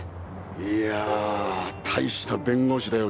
いやぁ大した弁護士だよ